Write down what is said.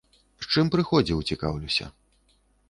З чым прыходзіў, цікаўлюся.